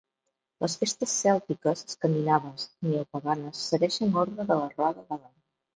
Les festes cèltiques, escandinaves i neopaganes segueixen l'ordre de la roda de l'any.